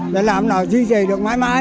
để làm nó duy trì được mãi mãi